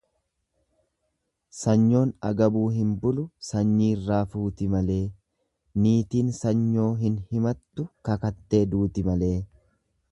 Sanyoon agabuu hin bulu, sanyiirraa fuuti malee, niitiin sanyoo hin himattu kakattee duuti malee.